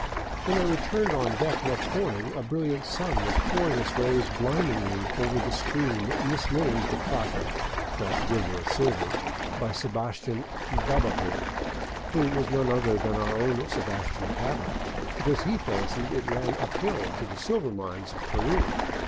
When I returned on deck next morning a brilliant sun was pouring its rays blindingly over the stream misnamed the Plata, the " River of Silver," by Sebastian " Gaboto "— who was none other than our own Sebastian Cabot — because he fancied It ran uphill to the silver mines of Peru.